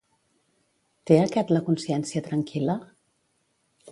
Té aquest la consciència tranquil·la?